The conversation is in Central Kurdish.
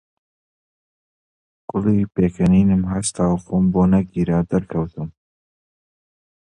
کوڵی پێکەنینم هەستا و خۆم بۆ نەگیرا، دەرکەوتم